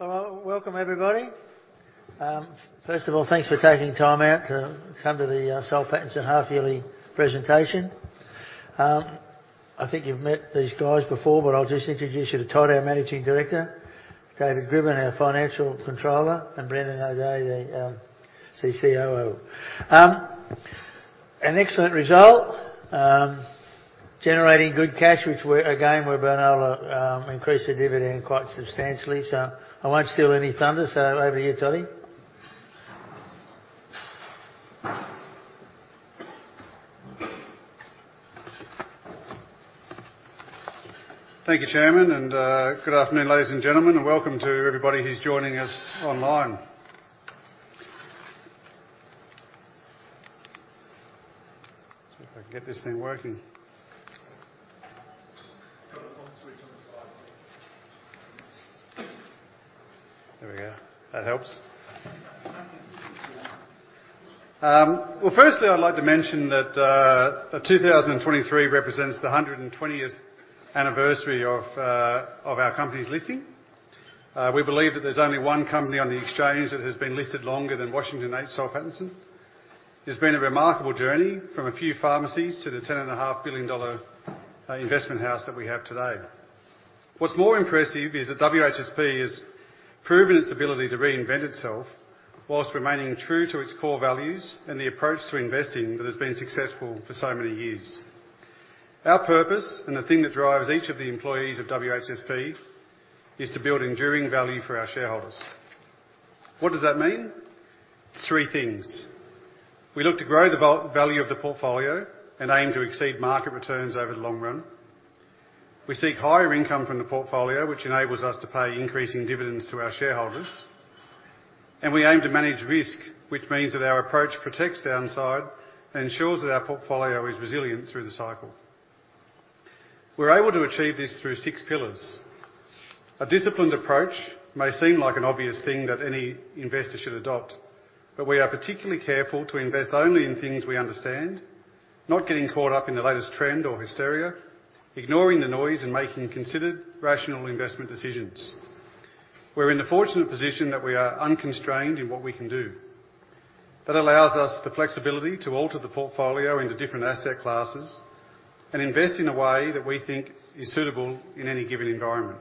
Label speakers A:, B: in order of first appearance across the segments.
A: Well, welcome everybody. First of all, thanks for taking time out to come to the Soul Pattinson half yearly presentation. I think you've met these guys before, but I'll just introduce you to Todd, our Managing Director; David Grbin, our Financial Controller, and Brendan O'Dea, our CIO. An excellent result. Generating good cash, which again, we've been able to increase the dividend quite substantially. I won't steal any thunder, so over to you, Toddie.
B: Thank you, Chairman, and good afternoon, ladies and gentlemen, and welcome to everybody who's joining us online. See if I can get this thing working.
A: Got a on switch on the side.
B: There we go. That helps. Well, firstly, I'd like to mention that 2023 represents the 120th anniversary of our company's listing. We believe that there's only one company on the exchange that has been listed longer than Washington H. Soul Pattinson. It's been a remarkable journey from a few pharmacies to the 10 and a half billion dollar investment house that we have today. What's more impressive is that WHSP has proven its ability to reinvent itself whilst remaining true to its core values and the approach to investing that has been successful for so many years. Our purpose and the thing that drives each of the employees of WHSP is to build enduring value for our shareholders. What does that mean? Three things. We look to grow the value of the portfolio and aim to exceed market returns over the long run. We seek higher income from the portfolio, which enables us to pay increasing dividends to our shareholders. We aim to manage risk, which means that our approach protects the downside and ensures that our portfolio is resilient through the cycle. We're able to achieve this through six pillars. A disciplined approach may seem like an obvious thing that any investor should adopt, but we are particularly careful to invest only in things we understand, not getting caught up in the latest trend or hysteria, ignoring the noise and making considered, rational investment decisions. We're in the fortunate position that we are unconstrained in what we can do. That allows us the flexibility to alter the portfolio into different asset classes and invest in a way that we think is suitable in any given environment.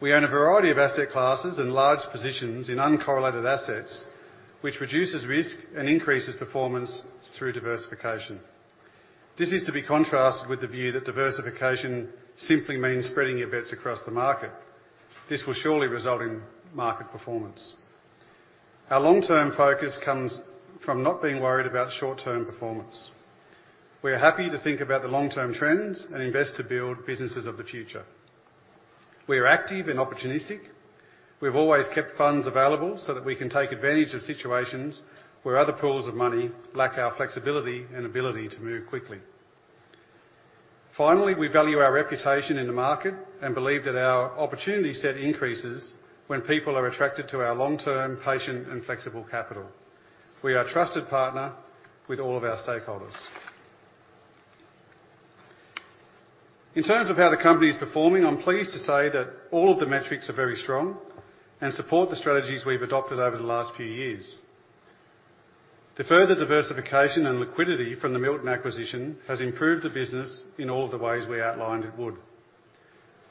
B: We own a variety of asset classes and large positions in uncorrelated assets, which reduces risk and increases performance through diversification. This is to be contrasted with the view that diversification simply means spreading your bets across the market. This will surely result in market performance. Our long-term focus comes from not being worried about short-term performance. We are happy to think about the long-term trends and invest to build businesses of the future. We are active and opportunistic. We've always kept funds available so that we can take advantage of situations where other pools of money lack our flexibility and ability to move quickly. Finally, we value our reputation in the market and believe that our opportunity set increases when people are attracted to our long-term, patient, and flexible capital. We are a trusted partner with all of our stakeholders. In terms of how the company is performing, I'm pleased to say that all of the metrics are very strong and support the strategies we've adopted over the last few years. The further diversification and liquidity from the Milton acquisition has improved the business in all the ways we outlined it would.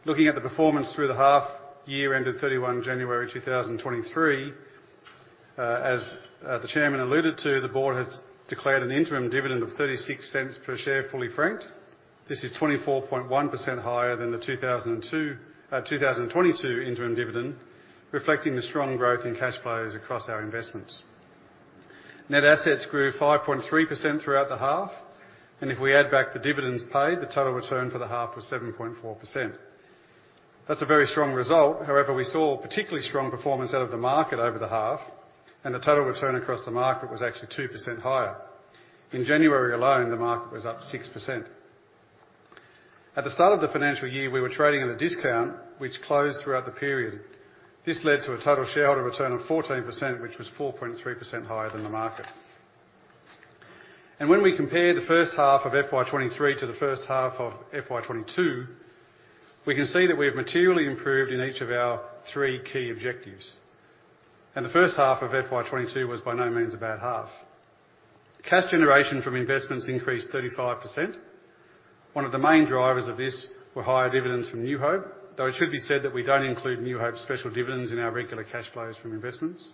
B: Looking at the performance through the half year ended January 31, 2023, as the Chairman alluded to, the board has declared an interim dividend of 0.36 per share, fully franked. This is 24.1% higher than the 2022 interim dividend, reflecting the strong growth in cash flows across our investments. Net assets grew 5.3% throughout the half, and if we add back the dividends paid, the total return for the half was 7.4%. That's a very strong result. We saw particularly strong performance out of the market over the half, and the total return across the market was actually 2% higher. In January alone, the market was up 6%. At the start of the financial year, we were trading at a discount, which closed throughout the period. This led to a total shareholder return of 14%, which was 4.3% higher than the market. When we compare the H1 of FY 2023 to the H1 of FY 2022, we can see that we have materially improved in each of our three key objectives. The H1 of FY 2022 was by no means a bad half. Cash generation from investments increased 35%. One of the main drivers of this were higher dividends from New Hope, though it should be said that we don't include New Hope's special dividends in our regular cash flows from investments.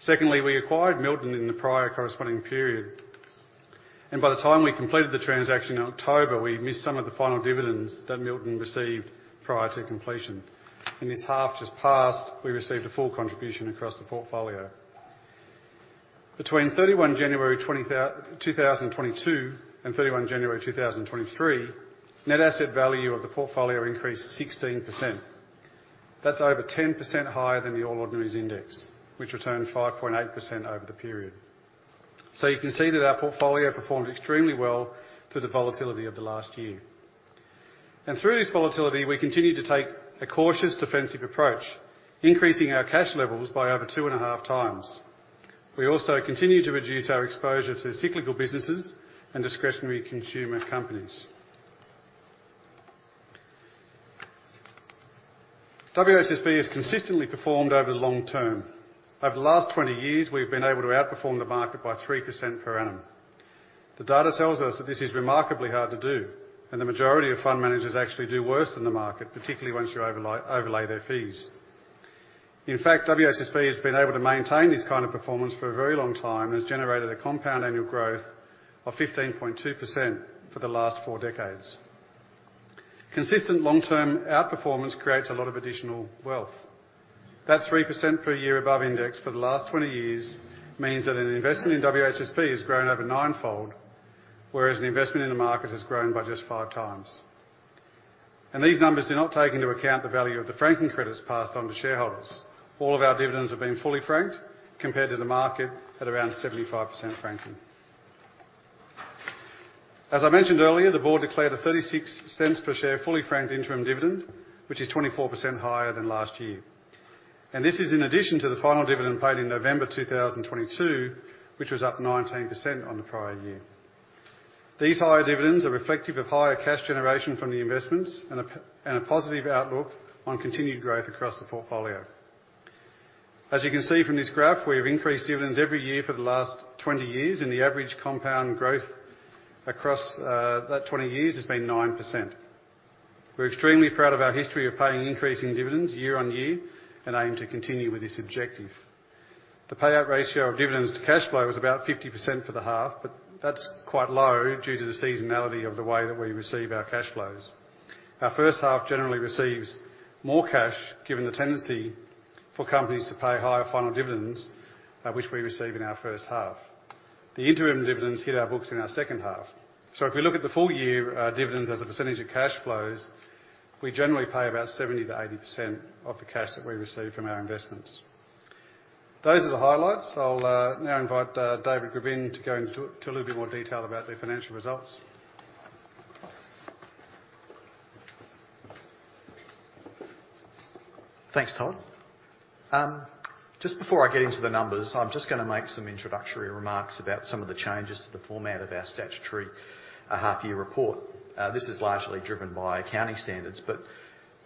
B: Secondly, we acquired Milton in the prior corresponding period, and by the time we completed the transaction in October, we missed some of the final dividends that Milton received prior to completion. In this half just passed, we received a full contribution across the portfolio. Between January 31, 2022, and January 31, 2023, net asset value of the portfolio increased 16%. That's over 10% higher than the All Ordinaries Index, which returned 5.8% over the period. You can see that our portfolio performed extremely well through the volatility of the last year. Through this volatility, we continued to take a cautious defensive approach, increasing our cash levels by over 2.5 times. We also continue to reduce our exposure to cyclical businesses and discretionary consumer companies. WHSP has consistently performed over the long term. Over the last 20 years, we've been able to outperform the market by 3% per annum. The data tells us that this is remarkably hard to do, and the majority of fund managers actually do worse than the market, particularly once you overlay their fees. In fact, WHSP has been able to maintain this kind of performance for a very long time and has generated a compound annual growth of 15.2% for the last four decades. Consistent long-term outperformance creates a lot of additional wealth. That 3% per year above index for the last 20 years means that an investment in WHSP has grown over nine-fold, whereas an investment in the market has grown by just five times. These numbers do not take into account the value of the franking credits passed on to shareholders. All of our dividends have been fully franked compared to the market at around 75% franking. As I mentioned earlier, the board declared an 0.36 per share fully franked interim dividend, which is 24% higher than last year. This is in addition to the final dividend paid in November 2022, which was up 19% on the prior year. These higher dividends are reflective of higher cash generation from the investments and a positive outlook on continued growth across the portfolio. As you can see from this graph, we have increased dividends every year for the last 20 years, and the average compound growth across that 20 years has been 9%. We're extremely proud of our history of paying increasing dividends year-on-year and aim to continue with this objective. The payout ratio of dividends to cash flow was about 50% for the half. That's quite low due to the seasonality of the way that we receive our cash flows. Our H1 generally receives more cash, given the tendency for companies to pay higher final dividends, which we receive in our H1. The interim dividends hit our books in our H2. If we look at the full year, dividends as a percentage of cash flows, we generally pay about 70%-80% of the cash that we receive from our investments. Those are the highlights. I'll now invite David Grbin to go into a little bit more detail about the financial results.
C: Thanks, Todd. just before I get into the numbers, I'm just gonna make some introductory remarks about some of the changes to the format of our statutory half year report. This is largely driven by accounting standards, but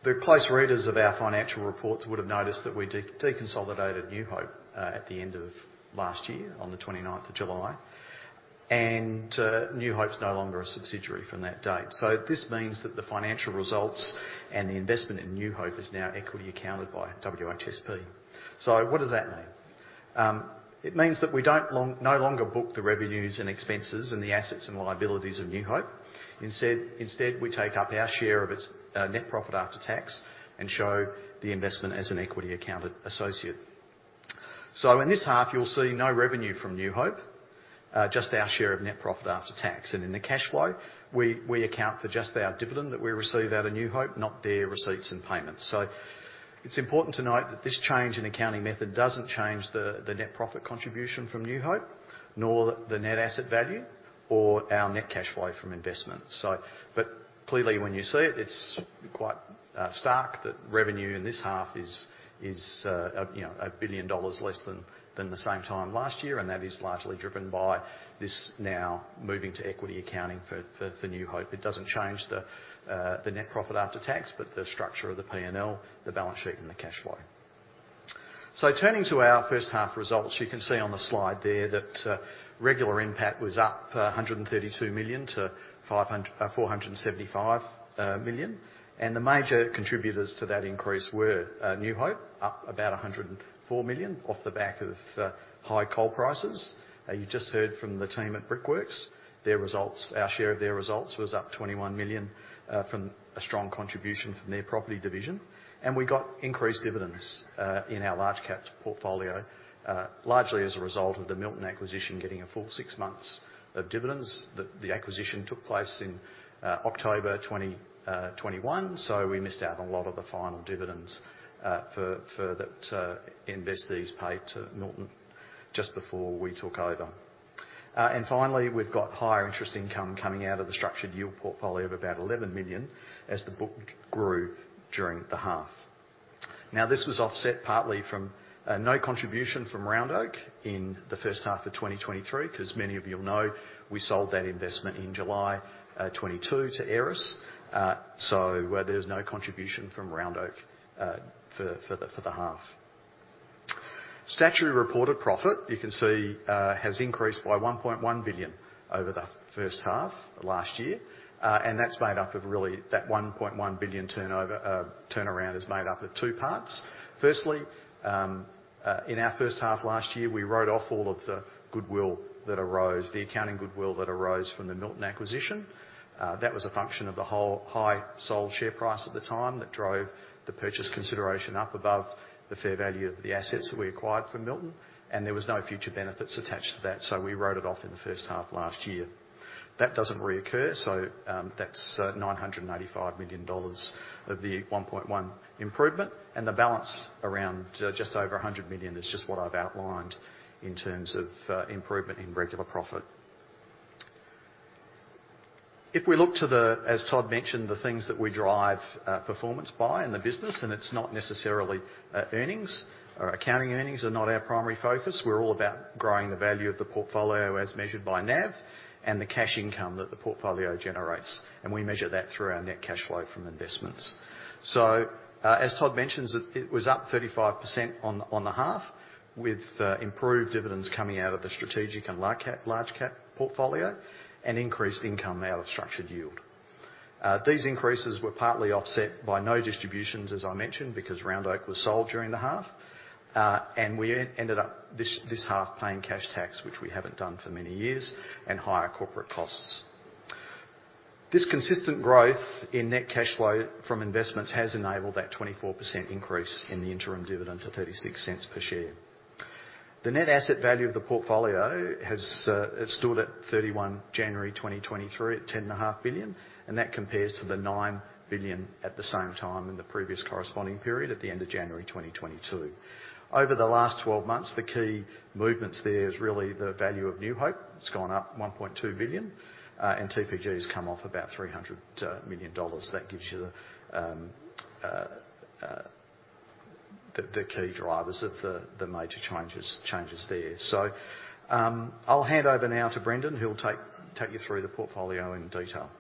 C: the close readers of our financial reports would have noticed that we deconsolidated New Hope, at the end of last year on the 29th of July. New Hope is no longer a subsidiary from that date. This means that the financial results and the investment in New Hope is now equity accounted by WHSP. What does that mean? It means that we no longer book the revenues and expenses and the assets and liabilities of New Hope. Instead, we take up our share of its net profit after tax and show the investment as an equity accounted associate. In this half, you'll see no revenue from New Hope, just our share of net profit after tax. In the cash flow, we account for just our dividend that we receive out of New Hope, not their receipts and payments. It's important to note that this change in accounting method doesn't change the net profit contribution from New Hope, nor the net asset value or our net cash flow from investments. Clearly, when you see it's quite stark that revenue in this half is 1 billion dollars less than the same time last year, and that is largely driven by this now moving to equity accounting for New Hope. It doesn't change the net profit after tax, but the structure of the P&L, the balance sheet and the cash flow. Turning to our H1 results, you can see on the slide there that regular NPAT was up 132 million to 475 million. The major contributors to that increase were New Hope, up about 104 million off the back of high coal prices. You just heard from the team at Brickworks. Their results, our share of their results was up 21 million from a strong contribution from their property division. We got increased dividends in our large cap portfolio, largely as a result of the Milton acquisition getting a full six months of dividends. The acquisition took place in October 2021. We missed out on a lot of the final dividends, for that investees paid to Milton just before we took over. We've got higher interest income coming out of the structured yield portfolio of about 11 million as the book grew during the half. This was offset partly from no contribution from Round Oak in the H1 of 2023, because many of you'll know we sold that investment in July 2022 to Aeris. There's no contribution from Round Oak for the half. Statutory reported profit you can see has increased by 1.1 billion over the H1 of last year. That's made up of really that 1.1 billion turnaround is made up of two parts. Firstly, in our H1 last year, we wrote off all of the goodwill that arose, the accounting goodwill that arose from the Milton acquisition. That was a function of the whole high Soul Pattinson share price at the time that drove the purchase consideration up above the fair value of the assets that we acquired from Milton. There was no future benefits attached to that, so we wrote it off in the H1 of last year. That doesn't reoccur, so that's 985 million dollars of the 1.1 billion improvement. The balance around just over 100 million is just what I've outlined in terms of improvement in regular profit. As Todd mentioned, the things that we drive performance by in the business, it's not necessarily earnings. Our accounting earnings are not our primary focus. We're all about growing the value of the portfolio as measured by NAV and the cash income that the portfolio generates, and we measure that through our net cash flow from investments. As Todd mentions, it was up 35% on the half with improved dividends coming out of the strategic and large cap portfolio and increased income out of structured yield. These increases were partly offset by no distributions, as I mentioned, because Round Oak was sold during the half, and we ended up this half paying cash tax, which we haven't done for many years, and higher corporate costs. This consistent growth in net cash flow from investments has enabled that 24% increase in the interim dividend to 0.36 per share. The net asset value of the portfolio has, it stood at thirty-one January 2023 at AUD 10.5 billion, and that compares to the AUD 9 billion at the same time in the previous corresponding period at the end of January 2022. Over the last 12 months, the key movements there is really the value of New Hope. It's gone up 1.2 billion, and TPG's come off about 300 million dollars. That gives you the key drivers of the major changes there. I'll hand over now to Brendan, who'll take you through the portfolio in detail.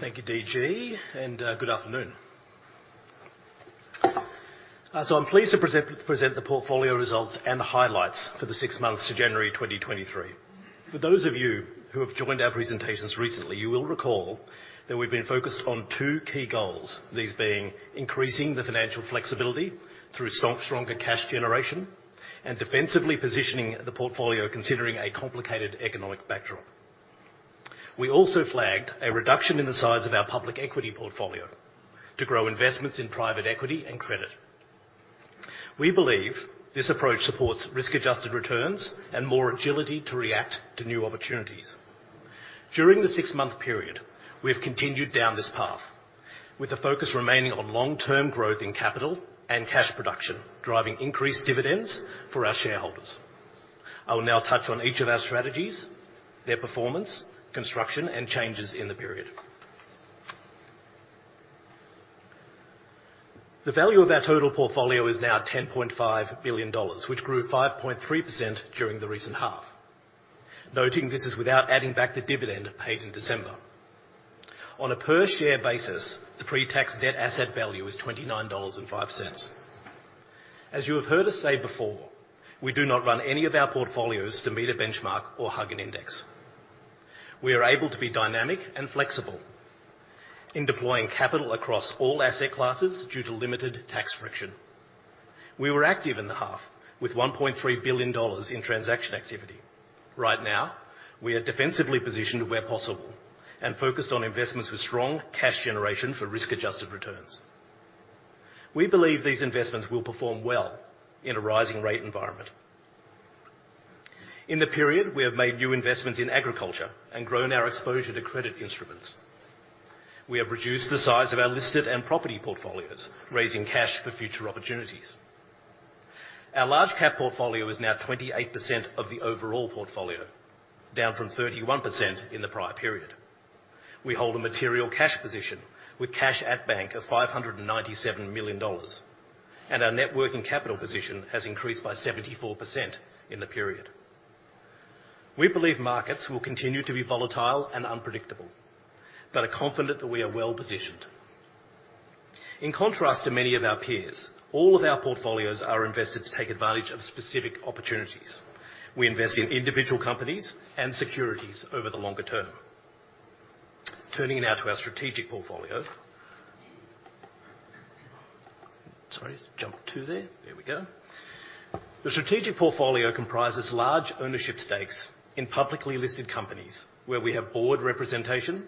D: Thank you, DG, good afternoon. I'm pleased to present the portfolio results and the highlights for the six months to January 2023. For those of you who have joined our presentations recently, you will recall that we've been focused on two key goals, these being increasing the financial flexibility through stronger cash generation and defensively positioning the portfolio considering a complicated economic backdrop. We also flagged a reduction in the size of our public equity portfolio to grow investments in private equity and credit. We believe this approach supports risk-adjusted returns and more agility to react to new opportunities. During the six-month period, we have continued down this path with a focus remaining on long-term growth in capital and cash production, driving increased dividends for our shareholders. I will now touch on each of our strategies, their performance, construction, and changes in the period. The value of our total portfolio is now 10.5 billion dollars, which grew 5.3% during the recent half. Noting this is without adding back the dividend paid in December. On a per share basis, the pre-tax net asset value is 29.05 dollars. As you have heard us say before, we do not run any of our portfolios to meet a benchmark or hug an index. We are able to be dynamic and flexible in deploying capital across all asset classes due to limited tax friction. We were active in the half with 1.3 billion dollars in transaction activity. Right now, we are defensively positioned where possible and focused on investments with strong cash generation for risk-adjusted returns. We believe these investments will perform well in a rising rate environment. In the period, we have made new investments in agriculture and grown our exposure to credit instruments. We have reduced the size of our listed and property portfolios, raising cash for future opportunities. Our large cap portfolio is now 28% of the overall portfolio, down from 31% in the prior period. We hold a material cash position with cash at bank of 597 million dollars, and our net working capital position has increased by 74% in the period. We believe markets will continue to be volatile and unpredictable, are confident that we are well-positioned. In contrast to many of our peers, all of our portfolios are invested to take advantage of specific opportunities. We invest in individual companies and securities over the longer term. Turning now to our strategic portfolio. Sorry, jumped too there. There we go. The strategic portfolio comprises large ownership stakes in publicly listed companies where we have board representation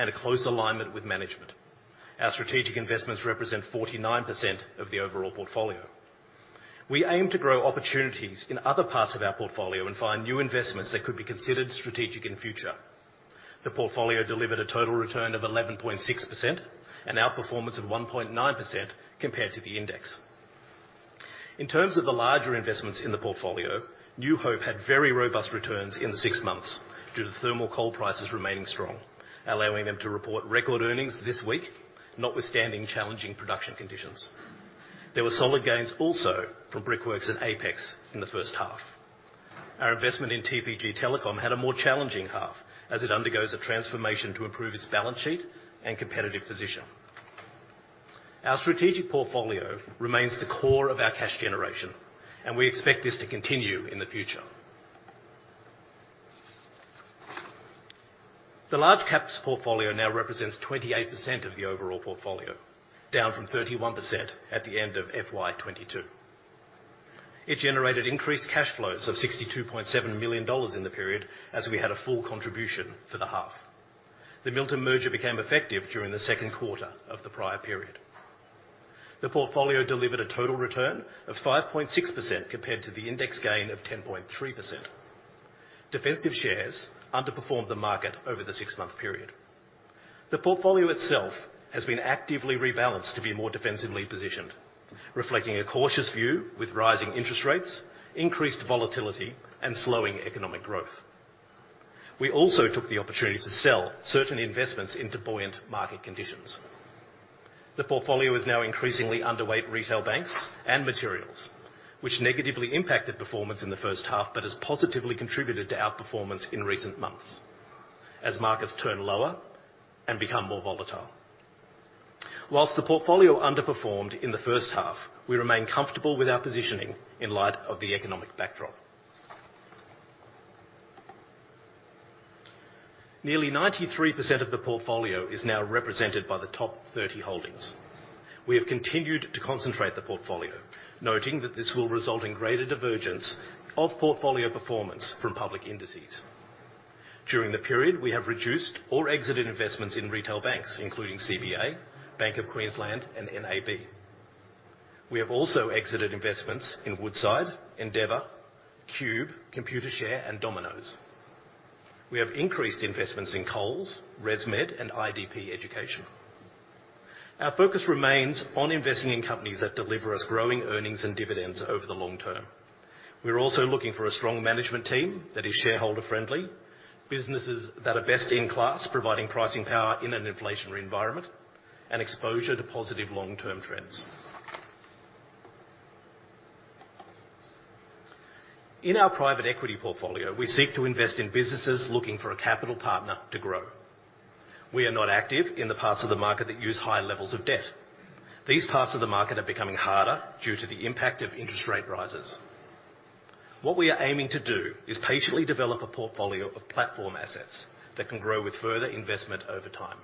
D: and a close alignment with management. Our strategic investments represent 49% of the overall portfolio. We aim to grow opportunities in other parts of our portfolio and find new investments that could be considered strategic in future. The portfolio delivered a total return of 11.6%, an outperformance of 1.9% compared to the index. In terms of the larger investments in the portfolio, New Hope had very robust returns in the six months due to thermal coal prices remaining strong, allowing them to report record earnings this week, notwithstanding challenging production conditions. There were solid gains also from Brickworks and Apex in the H1. Our investment in TPG Telecom had a more challenging half as it undergoes a transformation to improve its balance sheet and competitive position. Our strategic portfolio remains the core of our cash generation, and we expect this to continue in the future. The large caps portfolio now represents 28% of the overall portfolio, down from 31% at the end of FY2022. It generated increased cash flows of 62.7 million dollars in the period as we had a full contribution for the half. The Milton merger became effective during the Q2 of the prior period. The portfolio delivered a total return of 5.6% compared to the index gain of 10.3%. Defensive shares underperformed the market over the six-month period. The portfolio itself has been actively rebalanced to be more defensively positioned, reflecting a cautious view with rising interest rates, increased volatility, and slowing economic growth. We also took the opportunity to sell certain investments into buoyant market conditions. The portfolio is now increasingly underweight retail banks and materials, which negatively impacted performance in the H1, but has positively contributed to outperformance in recent months as markets turn lower and become more volatile. Whilst the portfolio underperformed in the H1, we remain comfortable with our positioning in light of the economic backdrop. Nearly 93% of the portfolio is now represented by the top 30 holdings. We have continued to concentrate the portfolio, noting that this will result in greater divergence of portfolio performance from public indices. During the period, we have reduced or exited investments in retail banks, including CBA, Bank of Queensland, and NAB. We have also exited investments in Woodside, Endeavour, Cube, Computershare, and Domino's. We have increased investments in Coles, ResMed, and IDP Education. Our focus remains on investing in companies that deliver us growing earnings and dividends over the long term. We're also looking for a strong management team that is shareholder-friendly, businesses that are best in class, providing pricing power in an inflationary environment, and exposure to positive long-term trends. In our private equity portfolio, we seek to invest in businesses looking for a capital partner to grow. We are not active in the parts of the market that use high levels of debt. These parts of the market are becoming harder due to the impact of interest rate rises. What we are aiming to do is patiently develop a portfolio of platform assets that can grow with further investment over time.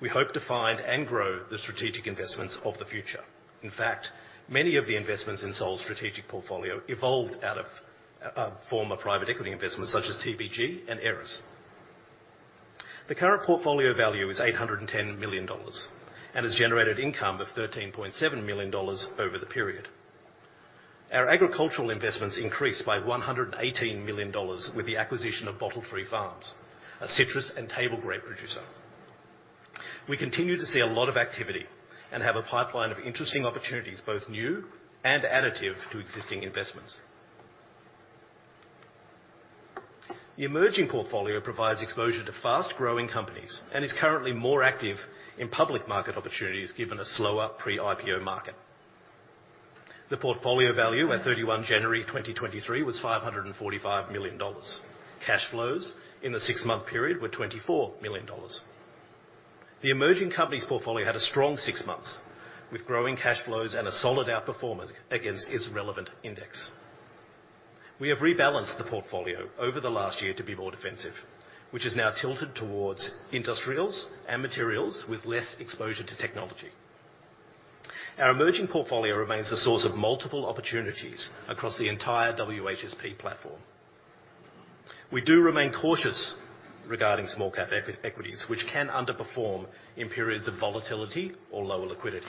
D: We hope to find and grow the strategic investments of the future. Many of the investments in SOL's strategic portfolio evolved out of former private equity investments such as TPG and Aeris. The current portfolio value is 810 million dollars and has generated income of 13.7 million dollars over the period. Our agricultural investments increased by 118 million dollars with the acquisition of Bottle Tree Farms, a citrus and table grape producer. We continue to see a lot of activity and have a pipeline of interesting opportunities, both new and additive to existing investments. The emerging portfolio provides exposure to fast-growing companies and is currently more active in public market opportunities given a slower pre-IPO market. The portfolio value at thirty-one January 2023 was 545 million dollars. Cash flows in the six-month period were 24 million dollars. The emerging companies portfolio had a strong six months with growing cash flows and a solid outperformance against its relevant index. We have rebalanced the portfolio over the last year to be more defensive, which is now tilted towards industrials and materials with less exposure to technology. Our emerging portfolio remains a source of multiple opportunities across the entire WHSP platform. We do remain cautious regarding small cap equities, which can underperform in periods of volatility or lower liquidity.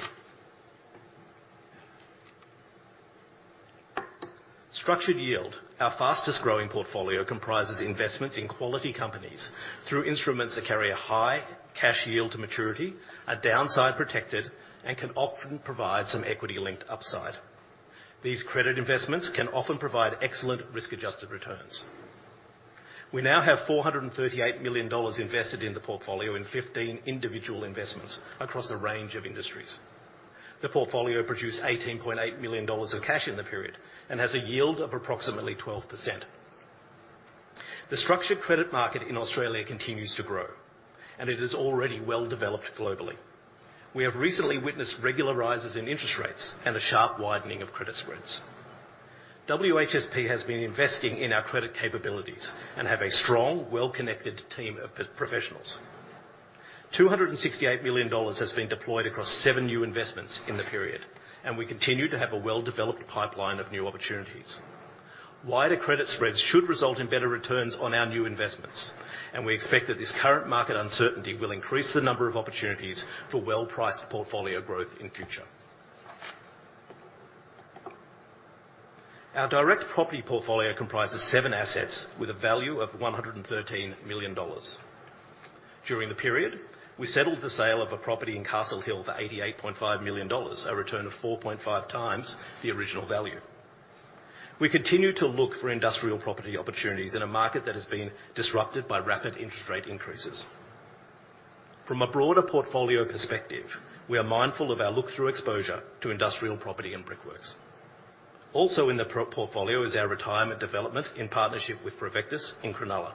D: Structured yield, our fastest growing portfolio, comprises investments in quality companies through instruments that carry a high cash yield to maturity, are downside protected, and can often provide some equity-linked upside. These credit investments can often provide excellent risk-adjusted returns. We now have $438 million invested in the portfolio in 15 individual investments across a range of industries. The portfolio produced $18.8 million of cash in the period and has a yield of approximately 12%. The structured credit market in Australia continues to grow, and it is already well-developed globally. We have recently witnessed regular rises in interest rates and a sharp widening of credit spreads. WHSP has been investing in our credit capabilities and have a strong, well-connected team of professionals. 268 million dollars has been deployed across 7 new investments in the period, and we continue to have a well-developed pipeline of new opportunities. Wider credit spreads should result in better returns on our new investments, and we expect that this current market uncertainty will increase the number of opportunities for well-priced portfolio growth in future. Our direct property portfolio comprises 7 assets with a value of 113 million dollars. During the period, we settled the sale of a property in Castle Hill for 88.5 million dollars, a return of 4.5 times the original value. We continue to look for industrial property opportunities in a market that has been disrupted by rapid interest rate increases. From a broader portfolio perspective, we are mindful of our look-through exposure to industrial property and Brickworks. Also in the pro-portfolio is our retirement development in partnership with Provectus in Cronulla.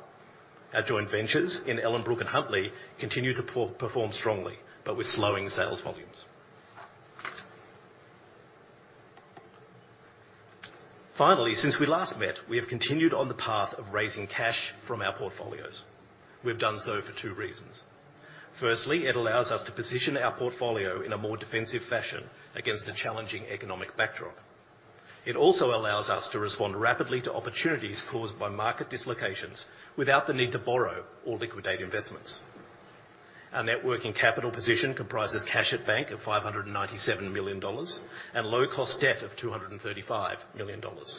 D: Our joint ventures in Ellenbrook and Huntley continue to perform strongly but with slowing sales volumes. Since we last met, we have continued on the path of raising cash from our portfolios. We've done so for two reasons. It allows us to position our portfolio in a more defensive fashion against a challenging economic backdrop. It also allows us to respond rapidly to opportunities caused by market dislocations without the need to borrow or liquidate investments. Our net working capital position comprises cash at bank of 597 million dollars and low cost debt of 235 million dollars.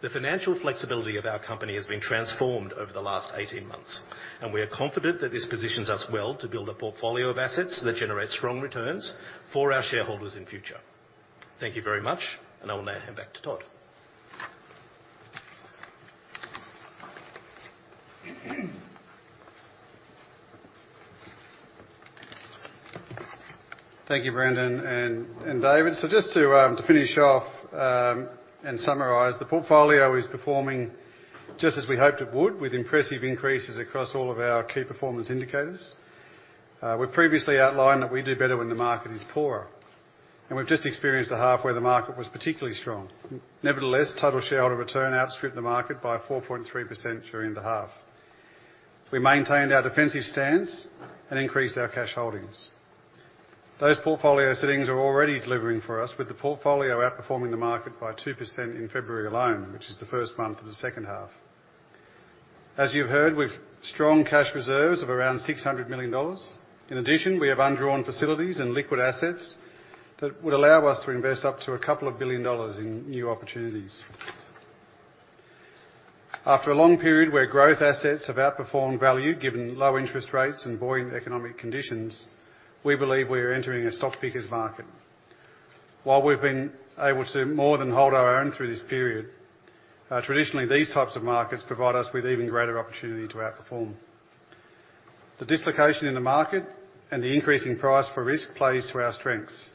D: The financial flexibility of our company has been transformed over the last 18 months, and we are confident that this positions us well to build a portfolio of assets that generate strong returns for our shareholders in future. Thank you very much, and I will now hand back to Todd.
B: Thank you, Brendan and David. Just to finish off and summarize, the portfolio is performing just as we hoped it would with impressive increases across all of our key performance indicators. We previously outlined that we do better when the market is poorer, and we've just experienced a half where the market was particularly strong. Nevertheless, total shareholder return outstripped the market by 4.3% during the half. We maintained our defensive stance and increased our cash holdings. Those portfolio sittings are already delivering for us with the portfolio outperforming the market by 2% in February alone, which is the first month of the H2. As you've heard, with strong cash reserves of around 600 million dollars. In addition, we have undrawn facilities and liquid assets that would allow us to invest up to 2 billion dollars in new opportunities. After a long period where growth assets have outperformed value, given low interest rates and buoyant economic conditions, we believe we are entering a stock picker's market. While we've been able to more than hold our own through this period, traditionally, these types of markets provide us with even greater opportunity to outperform. The dislocation in the market and the increasing price for risk plays to our strengths.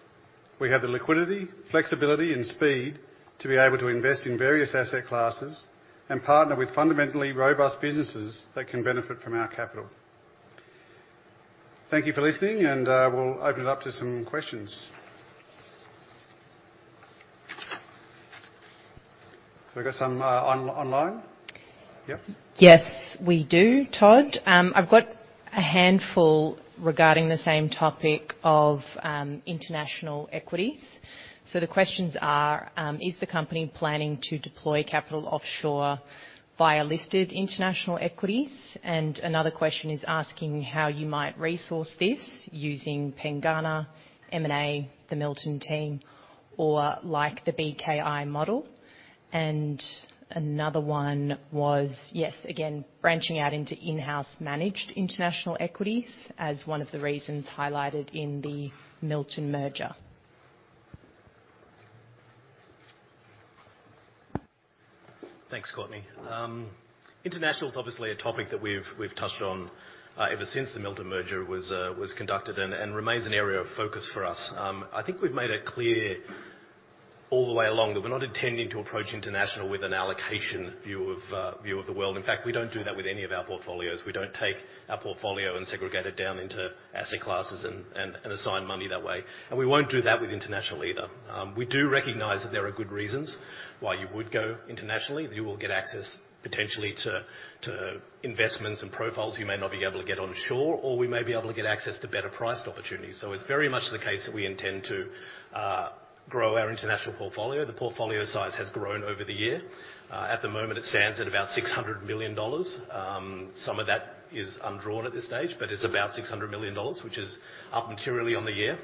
B: We have the liquidity, flexibility, and speed to be able to invest in various asset classes and partner with fundamentally robust businesses that can benefit from our capital. Thank you for listening. We'll open it up to some questions. Have we got some on-online? Yep.
E: Yes, we do, Todd. I've got a handful regarding the same topic of international equities. The questions are, "Is the company planning to deploy capital offshore via listed international equities?" Another question is asking how you might resource this using Pengana, M&A, the Milton team, or like the BKI model. Another one was, yes, again, branching out into in-house managed international equities as one of the reasons highlighted in the Milton merger.
D: Thanks, Courtney. International is obviously a topic that we've touched on ever since the Milton merger was conducted and remains an area of focus for us. I think we've made it clear all the way along that we're not intending to approach international with an allocation view of the world. In fact, we don't do that with any of our portfolios. We don't take our portfolio and segregate it down into asset classes and assign money that way. We won't do that with international either. We do recognize that there are good reasons why you would go internationally, that you will get access, potentially, to investments and profiles you may not be able to get onshore, or we may be able to get access to better priced opportunities. It's very much the case that we intend to grow our international portfolio. The portfolio size has grown over the year. At the moment, it stands at about 600 million dollars. Some of that is undrawn at this stage, but it's about 600 million dollars, which is up materially on the year.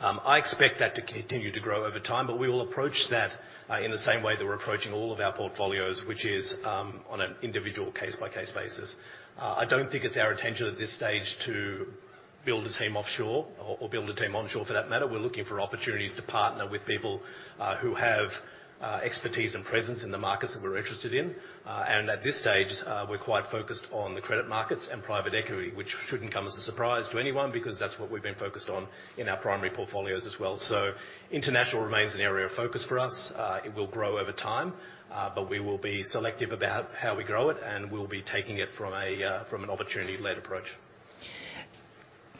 D: I expect that to continue to grow over time, but we will approach that in the same way that we're approaching all of our portfolios, which is on an individual case-by-case basis. I don't think it's our intention at this stage to build a team offshore or build a team onshore for that matter. We're looking for opportunities to partner with people who have expertise and presence in the markets that we're interested in. At this stage, we're quite focused on the credit markets and private equity, which shouldn't come as a surprise to anyone because that's what we've been focused on in our primary portfolios as well. International remains an area of focus for us. It will grow over time, but we will be selective about how we grow it, and we'll be taking it from an opportunity-led approach.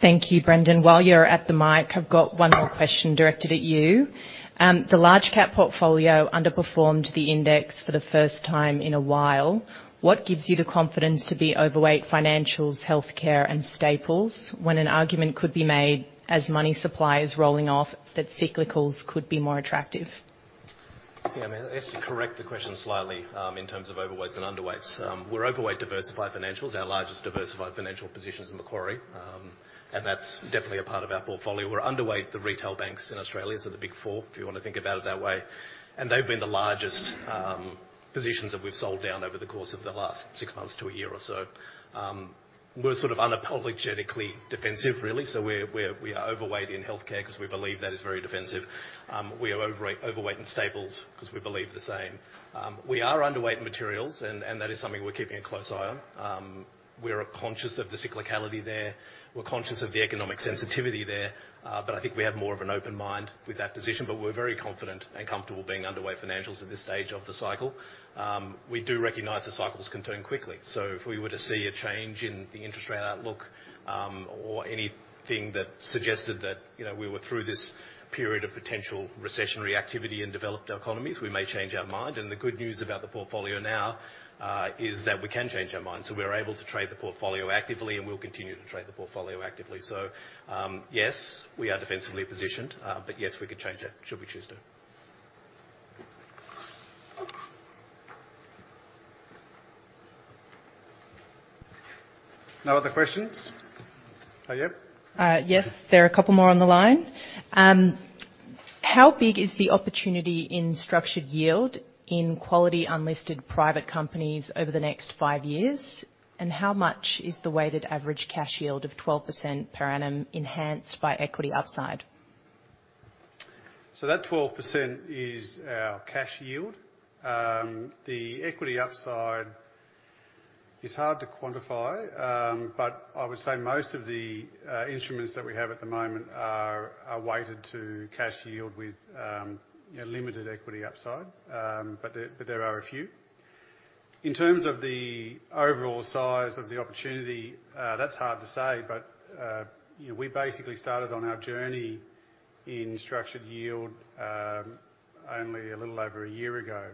E: Thank you, Brendan. While you're at the mic, I've got one more question directed at you. The large cap portfolio underperformed the index for the first time in a while. What gives you the confidence to be overweight financials, healthcare, and staples when an argument could be made as money supply is rolling off that cyclicals could be more attractive?
D: Yeah, I mean, I guess to correct the question slightly, in terms of overweights and underweights. We're overweight diversified financials, our largest diversified financial position is Macquarie. That's definitely a part of our portfolio. We're underweight the retail banks in Australia, so the Big Four, if you wanna think about it that way. They've been the largest positions that we've sold down over the course of the last six months to a year or so. We're sort of unapologetically defensive, really. We are overweight in healthcare 'cause we believe that is very defensive. We are overweight in staples 'cause we believe the same. We are underweight in materials and that is something we're keeping a close eye on. We are conscious of the cyclicality there. We're conscious of the economic sensitivity there. I think we have more of an open mind with that position, but we're very confident and comfortable being underweight financials at this stage of the cycle. We do recognize the cycles can turn quickly. If we were to see a change in the interest rate outlook, or anything that suggested that we were through this period of potential recessionary activity in developed economies, we may change our mind. The good news about the portfolio now, is that we can change our mind. We're able to trade the portfolio actively, and we'll continue to trade the portfolio actively. Yes, we are defensively positioned, but yes, we could change that should we choose to.
B: No other questions? yep.
F: Yes. There are a couple more on the line. How big is the opportunity in structured yield in quality unlisted private companies over the next five years? How much is the weighted average cash yield of 12% per annum enhanced by equity upside?
B: That 12% is our cash yield. The equity upside is hard to quantify, but I would say most of the instruments that we have at the moment are weighted to cash yield with limited equity upside. But there are a few. In terms of the overall size of the opportunity, that's hard to say, but we basically started on our journey in structured yield, only a little over a year ago.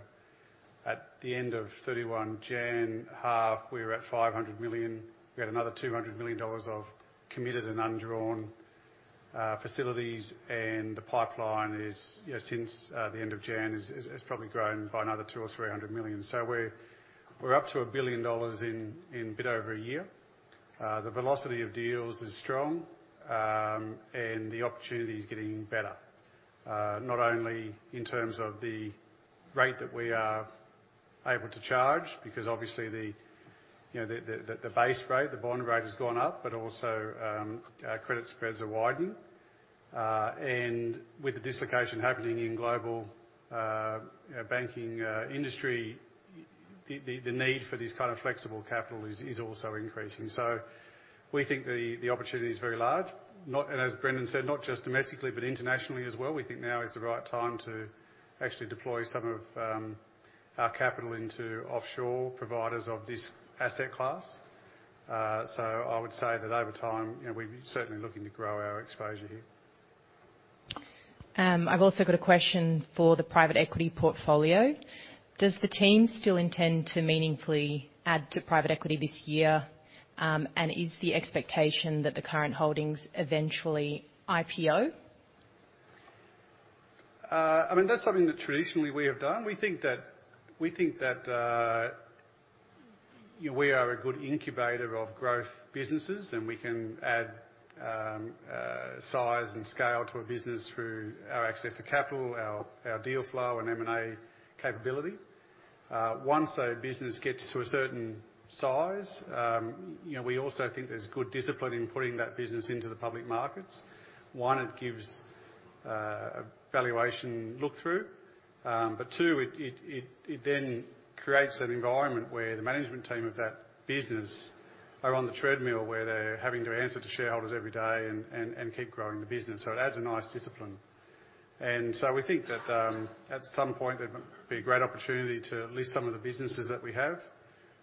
B: At the end of 31 January half, we were at 500 million. We had another 200 million dollars of committed and undrawn facilities, and the pipeline is since the end of Jan has probably grown by another 200 million-300 million. We're up to 1 billion dollars in a bit over a year. The velocity of deals is strong, and the opportunity is getting better, not only in terms of the rate that we are able to charge because obviously the the, the base rate, the bond rate has gone up, but also our credit spreads are widened. With the dislocation happening in global banking industry, the need for this kind of flexible capital is also increasing. We think the opportunity is very large. As Brendan said, not just domestically, but internationally as well. We think now is the right time to actually deploy some of our capital into offshore providers of this asset class. I would say that over time we're certainly looking to grow our exposure here.
F: I've also got a question for the private equity portfolio. Does the team still intend to meaningfully add to private equity this year, and is the expectation that the current holdings eventually IPO?
B: I mean, that's something that traditionally we have done. We think that we are a good incubator of growth businesses, and we can add size and scale to a business through our access to capital, our deal flow and M&A capability. Once a business gets to a certain size we also think there's good discipline in putting that business into the public markets. One, it gives a valuation look-through, but two, it then creates an environment where the management team of that business are on the treadmill, where they're having to answer to shareholders every day and keep growing the business. It adds a nice discipline. We think that, at some point, there might be a great opportunity to list some of the businesses that we have.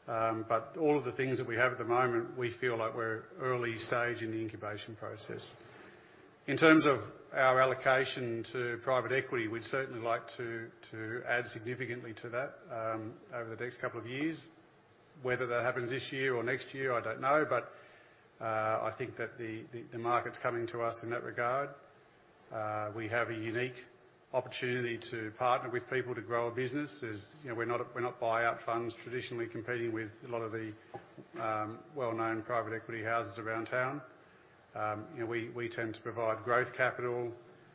B: All of the things that we have at the moment, we feel like we're early stage in the incubation process. In terms of our allocation to private equity, we'd certainly like to add significantly to that over the next two years. Whether that happens this year or next year, I don't know. I think that the market's coming to us in that regard. We have a unique opportunity to partner with people to grow a business. As, we're not buyout funds traditionally competing with a lot of the well-known private equity houses around town. , we tend to provide growth capital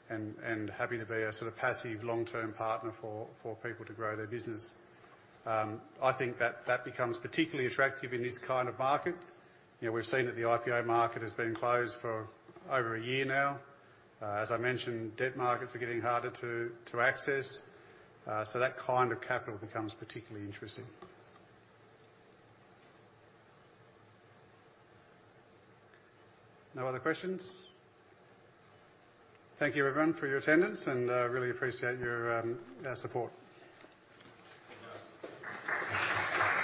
B: and happy to be a sort of passive long-term partner for people to grow their business. I think that that becomes particularly attractive in this kind of market. We've seen that the IPO market has been closed for over a year now. As I mentioned, debt markets are getting harder to access, so that kind of capital becomes particularly interesting. No other questions? Thank you everyone for your attendance, and really appreciate your our support.